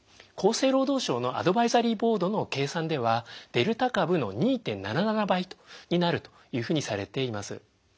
厚生労働省のアドバイザリーボードの計算ではデルタ株の２．７７倍になるというふうにされています。